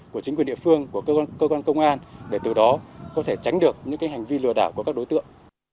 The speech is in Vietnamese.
của chính quyền địa phương của cơ quan công an để từ đó có thể tránh được những hành vi lừa đảo của các đối tượng